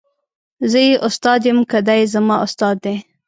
زه یې استاد یم که دای زما استاد دی.